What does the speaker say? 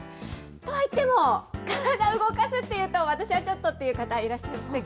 とはいっても、体動かすっていうと私はちょっとっていう方、いら